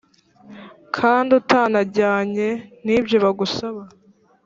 kandi utanajyanye nibyo bagusaba,